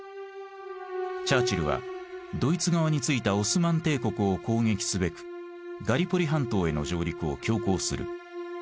チャーチルはドイツ側についたオスマン帝国を攻撃すべくガリポリ半島への上陸を強行する。